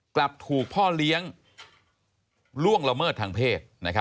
กลับถูกพ่อเลี้ยงล่วงละเมิดทางเพศ